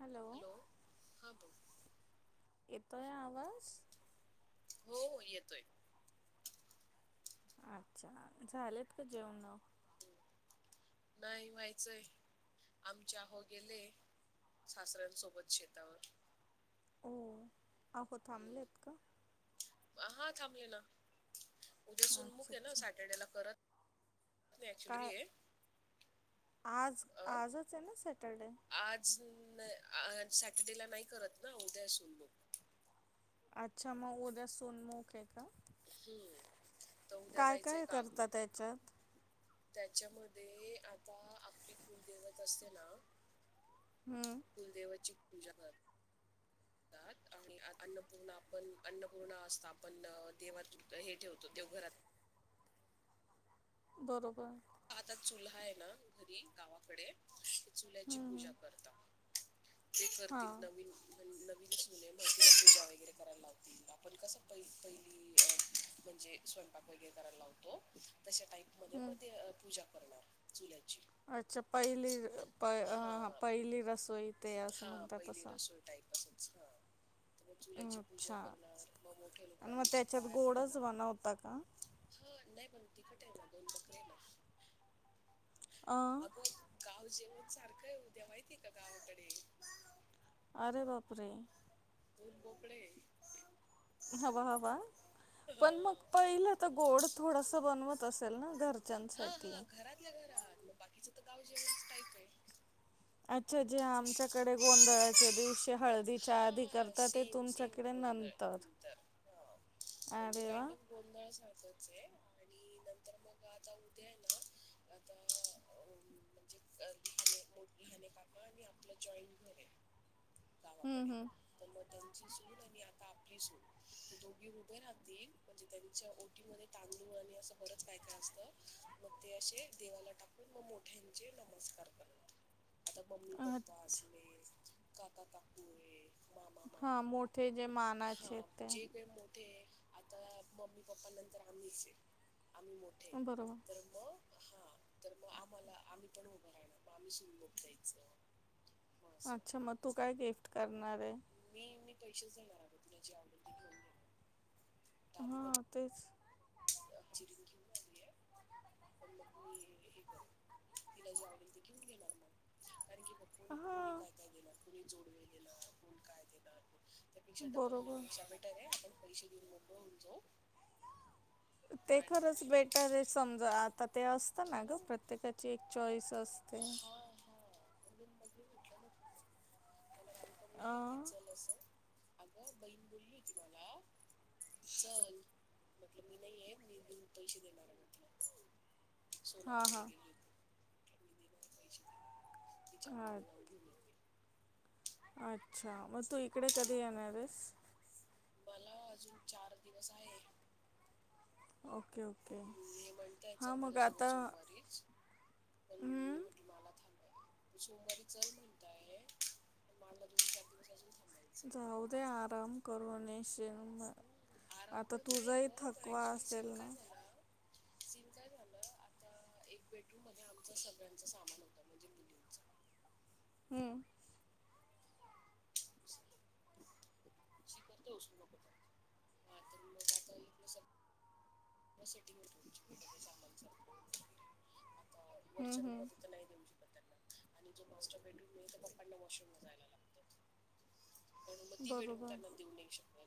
Hello. हा बोल येतोय आवाज? हो येतोय. अच्छा झालेत का जेवण? हम्म. नाही व्हायचंय आमच्या अहो गेले सासऱ्यांसोबत शेतावर हो अहो थांबलेत हम्म. का हा थांबले ना उद्या सुनमुक अच्छा आहे ना अच्छा सॅटर्डे ला परत काय [inaudible] आज अं, आजच आहे ना सॅटरडे ना सॅटरडे ला नाही करत ना उद्या असून मग अच्छा मग उद्या सून मुख खेच का हम्म. तर उद्या काय जायचंय काय गावी करता त्याच्यात त्याच्यामध्ये आता आपले कुलदैवत असते ना हम्म [inaudible] करतात [inaudible] आणि अन्नपूर्णा आपण अन्नपूर्णा असता आपण देवात हे ठेवतो देवघरात बरोबर. चुल्हा आहे ना घरी गावाकडे चुल्याची पूजा हम्म करतात. ते करतील हां नवीन म्हण [inaudible] [inaudible] वैगरे करायला लागत आपण कसे पैसे म्हणजे स्वयंपाक वगैरे करायला लावतो. तशा टाईप म हम्म मध्ये पूजा करणार चुल्हा अच्छा पहिली हा पहिली रसोई ते असं म्हणतातात तसं अच्छा. तर मग चुल्याची पूजा अच्छा करणार मग मोठ्या आणि मग लोकांचे त्याच्यात पाया गोडच पडणार. बनवता का हा नाही पण तिखटेला दोन बकेला अं आगो गाव जे वन सारखं आहे उद्या माहितीय का गावाकडे आरे बापरे. खूप बोपळे हवा हवा पण मग पहिलं तर गोड थोडास बनवत असत. असल ना घरच्यांसाठी बाकीच तर गावजेवणच कायकय अच्छा जे आमच्याकडे गोंधळाच्या दिवशी हळदीच्या आधी हा करतात ते सेम सेम तुमच्याकडे गोंधळ नंतर हा म्हणजे अरे वा कायंड ऑफ गोंधळ सारखच आहे आणि मग आता उद्या आहे ना आता अं, [inaudible] म्हणजे ल लने कामा आणि आपलं जॉईट घर आहे गावा कडे हम्म हम्म. त्यांची सून आणि आता आपली स दोघी उभे राहतील म्हणजे त्यांच्या ओटी मद्ये ता असं का असत ते असे देवाला टाकून मग मोठ्यांचे नमस्कार करणार आता मम्मी पप्पा असले काका काकू हे हा मोठे जे मानाचे ते ठे आता मम्मी पप्पा नंतर आम्हीच आहे आम्ही मोठे बरोबर तर मग हा तर मग आम्हाला आम्ही पण उभं राह ना मग आम्ही शिमुख द्यायच अच्छा मग तू काय गिफ्ट करणारहे मी मी पैसेच देणार आहे म आधी हा त्याची तेच [inaudible] पण मग मी हे कर तिला जे आवडेल ते घेऊन घेणार मग. कारण की कोणी कोणी हां काय काय देणार. कोणी जोडवे देणार, कोण काय देणार, कोण त्यापेक्षा डबल बरोबर. होण्यापेक्षा बेटर आहे आपण पैसे देऊन मोकळ होऊन जाऊ ते खरंच आणि बेटर आहे. समजा आता ते असतं ना ग हो प्रत्येकाची एक चॉईस असते. हा हा म्हणून म्हटलं ना मला राधीका बोलली होती अं चल असं अगं बहीण बोलली होती मला चल म्हंटल मी नाहीये. मी पैसे देणार आहे म्हटलं. हा, हा. सोनाराकडे गेली होती [unintelligible] तिच्या हां. आवडीने [unintelligible] घेऊन येऊ दे. अच्छा मग तू इकडे कधी येणारेस? मला अजून चार दिवस आहे. Okay, okay. हम्म, हे म्हणताय चल हां मग माझ्यासोबत आता सोमवारीच, पण मी हं, म्हटलं मला थांब सोमवारी चल म्हणताय मला दोन, चार दिवस अजून थांबायचंय जाऊ दे आराम करून ते. हम्म, आराम आता पण तुझ नाही ही ग पण थकवा असेल ना? ते काय झालं आता एक बेडरूममध्ये आमच सगळ्यांच सामान होत म्हणे मुलींच हम्म. [inaudible] उचलू नको पण. हा तर मग आता इकडे सगळं सेटिंग होतो सामान सारखं वगैरे आता हं, वरच्या हं, रूमध्ये तर नाही देऊ श आणि जो मास्टर बेडरूम आहे तो पप्पांना वॉशरूमला जायला लागतं. म्हणून मग ती बेडरूम बरोबर. त्यांना देऊ नाही शकतं.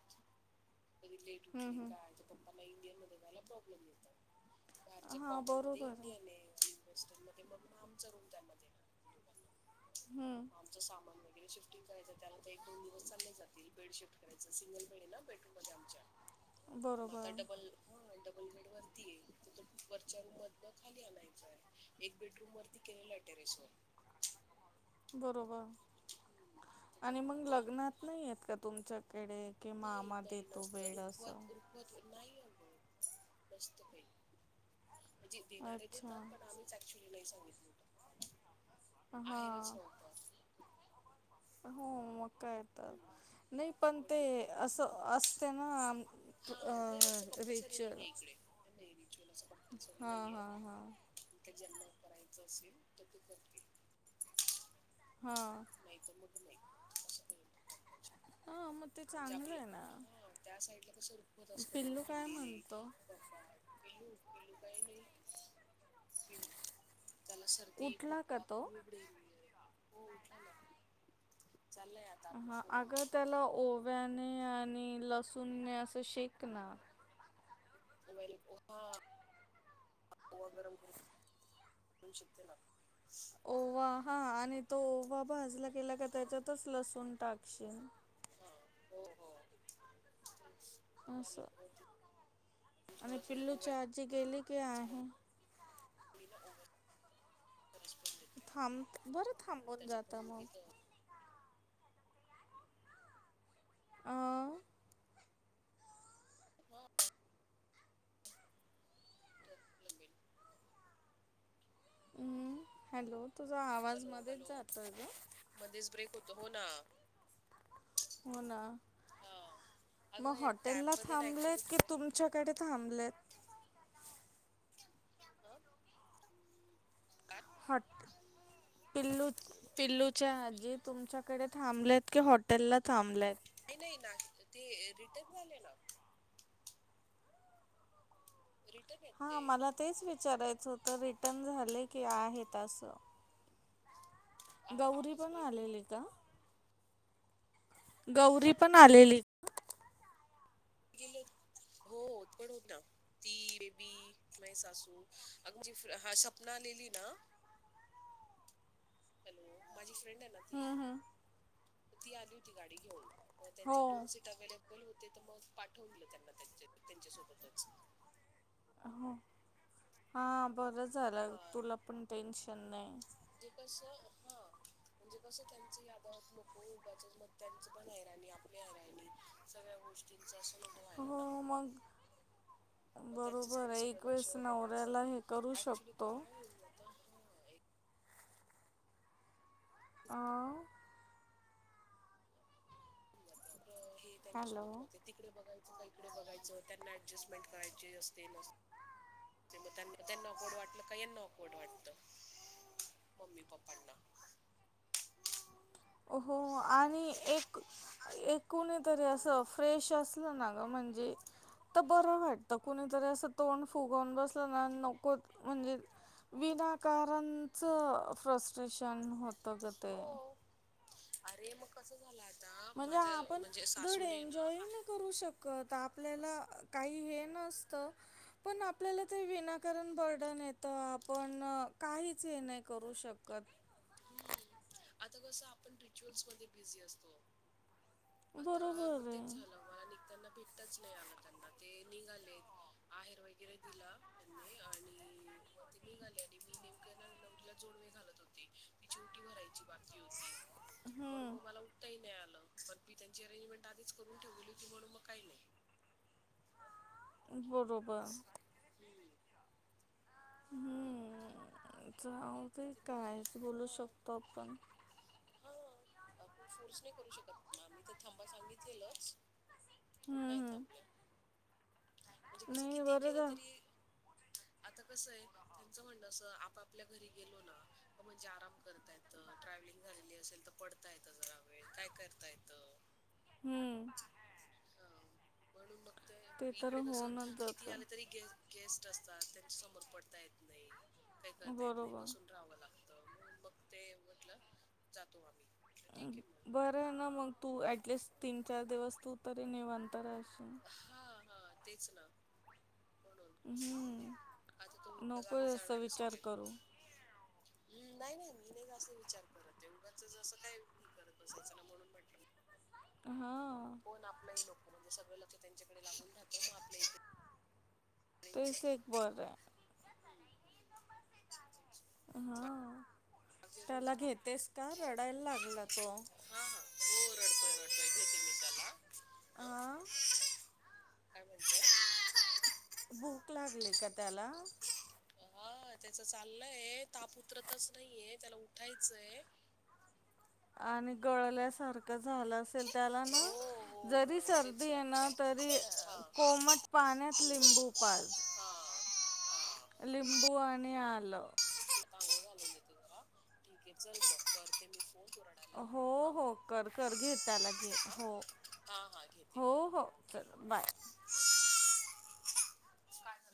कधी लेट हं, उठली हं. काय तर पप्पाना इंडियनमध्ये जायला प्रॉब्लेम येतं. बाहेरच्या हां कॉमनमध्ये बरोबर इंडियन आहे. हॉस्टेल मग आमचा रूम त्यांना देणार दोघांना. हं, मग आमचं सामान वगै शिफ्टिंग करायचं त्याला तर एक दोन दिवस चांगले जातील. बेड शिफ्ट करायचं सिंगल बेड आहे ना बेडरूममध्ये आमच्या. मग आता बरोबर डबल हा डबल बेडवरती आहे. वरच्या रूममधन खाली आणायचं आहे. एक बेडरूम वरती केलेला टेरेसवर. बरोबर तर आणि मग तो लग्नात नाही आहेत का तुम नाही, नाही नसतं. बेड रुखवत असं रुखवत नाही अगं नसतं काही. म्हणजे देणारे अच्छा देतात, पण आम्हीच ऍक्चुली नाही सांगितलं होतं. आहेरच हां नव्हतं हो मग काय तर हम्म. नाही पण ते म्हटलं असं असते ना हा नाही रिच्युअल [unintelligible] कंपलसरी हां नाहीये. हां हां ज्यांना करायचं असेल तर ते करतील. हां नाहीतर मग नाही असं काही नाही हं मग ते म्हणजे चांगलं आपलं आहे ना हा त्या साईडला कस रुकवत असतं. पिल्लू काय भांडी, म्हणतो कपाट पिलू पिलू काही नाही त्याला सर्दी, उठला का खोकला तो खूप डेंजर आहे. हॅलो. हा अग त्याला ओव्याने आणि लसुणने असं शेक ना. ओवा हा ओव गरम करून शेकते ना. ओवा हा आणि तो ओवा भाजला गेला का हा त्याच्यातच लसूण टाकशील. हा हो हो तेच ते असं? पालकवरती आणि थोडंसं पिल्लूची ओव्याचं आजी गेली की मग आहे? [inaudible] थांब-बरं मग थांबून त्याच्यात पण जाता मग? लगेच अ हा तर लगेल हम्म, हॅलो, तुझा आवाज हॅलो मध्येच हॅलो जातोय ग! मध्येच ब्रेक होतो हो ना होना, हा मग अगं या हॉटेलला टॅबमध्ये ना ऍक्च्युली थांबलेत कि थोडं तुमच्या कडे थांबलेत. ह. हट. पिल्लू-पिल्लूच्या आजी तुमच्याकडे थांबल्यात की हॉटेलला थांबल्यात? नाही नाही ना, ते रिटर्न झाले ना! रिटर्न येत ते हा, मला तेच विचारायचं होतं, रिटर्न झाले की आहेत असं? आव गौरी आवाज पण ब्रेक आलेली होतो का? गौरी पण आलेली. गेले हो [inaudible] पण होना, ती, बेबी, माझी सासू, अगं म्हणजे, हा, सपना आलेली ना [inaudible] हॅलो! माझी फ्रेंड आहे ना ती, हम्म, हम्म. तर ती आली होती गाडी घेऊन. त्यांचे दोन हो सीट अव्हेलेबल बल होते, तर मग पाठवून दिलं त्यांना त्यांच्या-त्यांच्यासोबतच. हो, हा बरं झालं, तुला पण टेन्शन नाही. तेे कसं? हा म्हणजे कसं... त्यांच यादावत नको उगाचच म त्यांचं पण रा [inaudible] सगळ्या गोष्टींचा हो, मग. मग बरोबर त्यांच्याचकडे आहे, सगळं लक्ष एकवेळेस मग माझं नवऱ्याला हे करू ऍक्च्युली शकतो. काय होऊन जातं हा एक अ होऊन जातं. [inaudible] हॅलो तिकडे बघायच च इकडे बघायचं! त्यांना ऍडजस्टमेंट करायची असते, नसते. मं त्यांना, त्यांना ऑकवर्ड वाटलं की यांना ऑकवर्ड वाटतं. मम्मी-पप्पांना हो हो, आणि एक एक कुणीतरी असं फ्रेश असलं ना ग... म्हणजे तर बरं वाटतं! कुणीतरी असं तोंड फुगवून बसलं ना, नको, म्हणजे विनाकारणचं फ्रस्ट्रेशन होत गं ते. हो अरे, मग कसं झालं? आता म्हणजे, माझ्या आपण म्हणजे धड सासूने एन्जॉयही ना नाही करू शकत. आपल्याला अ-काही हे नसतं, पण आपल्याला ते विनाकारण बर्डन येतं. आपण काहीच हे नाही करू शकत. हम्म. आता कसं, आपण रिच्युअल्स मध्ये बिझी असतो. आता, मग बरोबर आहे तेच झालं, मला निघताना भेट तच नाही आला त्यांना, ते निघाले, आहेर वगैरे दिला त्यांनी, आणि मग ते निघाले, आणि मी नेमकं आहे ना... नवरीला जोडवे घालत होते तिची उटी भरायची [inaudible] म्हणुन हम्म, मं मला उठता येईना. पण मी त्यांची अरेंजमेंट आधीच करून ठेवली होती, म्हणून मग काही नाही. बरोबर. हम्म. मग हम्म च ते निघाले कायच बोलू हा शकतो आपण! हा, आपण फोर्स नाही करू शकत. मग आम्ही तर थांबा सांगितलेलंच! पण हम्म, नाही हम्म. थांबल्या. नाही, वर जा. आता कसय आहे त्यांचं म्हणणं असं आपापल्या घरी [inaudible] अ म्हणजे आराम करता येत. ट्रॅव्हलिंग झालेली असेल तर पडता येत जरा वेळ काय करता येतं. हम्म हा म्हणून मग ते तर इकडे कस होऊनच किती जातं आलं तरी गे गेस्ट असतात त्यांच्या समोर पडता येत नाही. काही करता बोल येत नाही बसून राहावं लागत म्हणून मग ते म्हटलं जातो आम्ही म्हटलं ठीक आहे मग बरं ना मग तू ऍटलिस्ट तीन चार दिवस तू तरी निवांत राह [unintelligible] हा हा तेच ना म्हणून आता तो हम्म उद्या नको गावी जास्त जाणार आहे विचार सगळे करू. हम्म नाही नाही मी नाही ग असं विचार करत आहे उगाच जसं कायी करत बसायचं ना म्हणून म्हटलं. हा. मग नको कोण आपलंही नको म्हणजे सगळे लक्ष त्यांच्याकडे लागून राहत मग आपल्या इथे तेच एक बरय तेच हा ना. बाकी अजून त्याला काय? घेतेस का रडायला लागला तो हा हा हो रडतोय रडतोय घेते मी त्याला हा आह काय म्हणतोय. भूक लागली का त्याला? हा त्याच चाललंय ताप उतरतच नाहीय त्याला उठायचंय. आणि गळल्यासारखं झालं असेल. त्याला ना हो हो जरी हो तेच सर्दी ये ना तरी हा कोमट पाण्यात हम्म. लिंबू पाझ. हा हा लिंबू आणि आल. ठीके चल मग करते मी फोन तू रडायला हो लागला हा हो कर कर घे त्याला घे हा हो. हा हा घेते हो हो ओके हा बाय. झालं